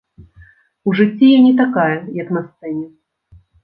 У жыцці я не такая як на сцэне.